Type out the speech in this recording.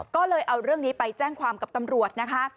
ก็เลยเอาเรื่องนี้ไปแจ้งความกับตำรวจนะคะ